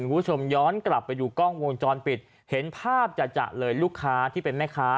คุณผู้ชมย้อนกลับไปดูกล้องวงจรปิดเห็นภาพจัดจะเลยลูกค้าที่เป็นแม่ค้า